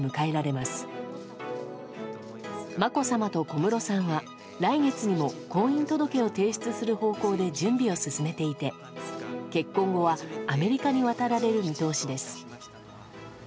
まこさまと小室さんは来月にも婚姻届を提出する方向で準備を進めていて結婚後はアメリカに渡られる見通しです。